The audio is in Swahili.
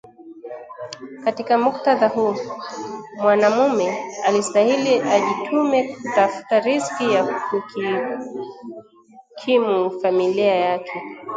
Katika mkutadha huu , mwanamume alistahili ajitume kutafuta riziki ya kukimu familia yake